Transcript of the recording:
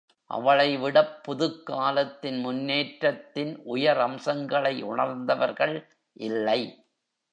அவளைவிடப் புதுக்காலத்தின் முன்னேற்றத்தின் உயர் அம்சங்களை உணர்ந்தவர்கள் இல்லை.